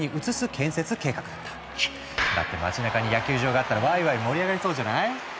だって街なかに野球場があったらワイワイ盛り上がりそうじゃない？